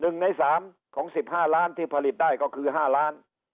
๑ใน๓ของ๑๕ล้านที่ผลิตได้ก็คือ๕ล้าน